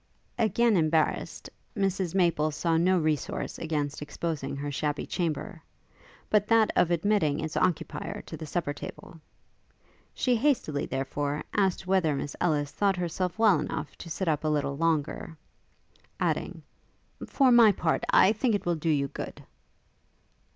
Again embarrassed, Mrs Maple saw no resource against exposing her shabby chamber, but that of admitting its occupier to the supper table. She hastily, therefore, asked whether Miss Ellis thought herself well enough to sit up a little longer; adding, 'For my part, I think it will do you good.'